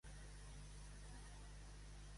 Què sembla que no es vol?